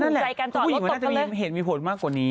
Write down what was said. ต่อแล้วตกกันเลยเพราะผู้หญิงมันน่าจะเห็นมีผลมากกว่านี้